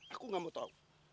aku nggak mau tahu